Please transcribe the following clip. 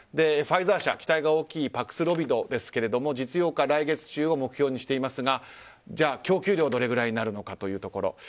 ファイザー社、期待が大きいパクスロビドですが、実用化は来月中を目標にしていますがじゃあ供給量はどれぐらいになるのかというところ。